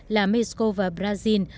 là mexico và brazil